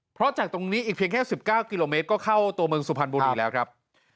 เพราะจากตรงนี้อีกเพียงแค่๑๙กิโลเมตรก็เข้าตัวเมืองสุพรรณบุรีแล้วครับ